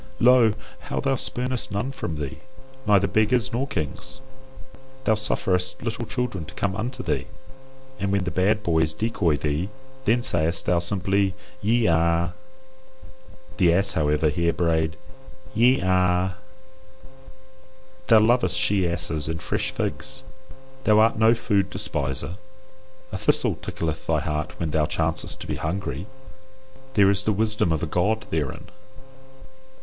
Lo! how thou spurnest none from thee, neither beggars nor kings. Thou sufferest little children to come unto thee, and when the bad boys decoy thee, then sayest thou simply, YE A. The ass, however, here brayed YE A. Thou lovest she asses and fresh figs, thou art no food despiser. A thistle tickleth thy heart when thou chancest to be hungry. There is the wisdom of a God therein.